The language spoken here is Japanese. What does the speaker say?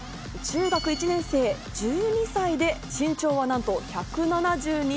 中学１年生、１２歳で身長なんと１７２ｃｍ。